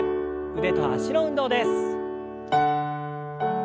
腕と脚の運動です。